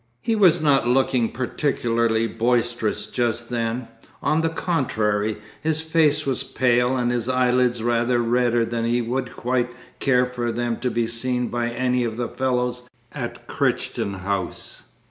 He was not looking particularly boisterous just then. On the contrary, his face was pale, and his eyelids rather redder than he would quite care for them to be seen by any of the "fellows" at Crichton House.